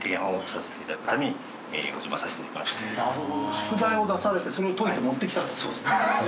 宿題を出されてそれを解いて持ってきたんですね。